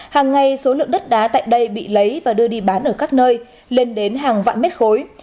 hàng ngày số lượng đất đá tại đây bị lấy và đưa đi bán ở các nơi lên đến hàng vạn mét khối